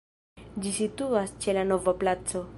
Ĝi situas ĉe la Nova Placo.